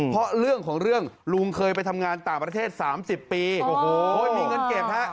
เพราะเรื่องของเรื่องลุงเคยไปทำงานต่างประเทศ๓๐ปีโอ้โหมีเงินเก็บฮะ